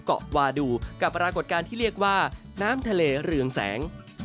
เกาะวาดูกับปรากฏการณ์ที่เรียกว่าน้ำทะเลเรืองแสง